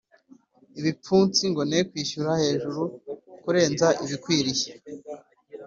ibipfunsi ngo ne kwishyira hejuru kurenza ibikwiriye